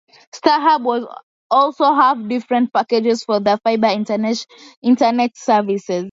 StarHub also have different package for their fibre internet service.